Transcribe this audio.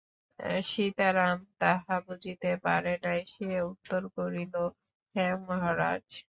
সীতারাম তাহা বুঝিতে পারে নাই– সে উত্তর করিল, হাঁ মহারাজ।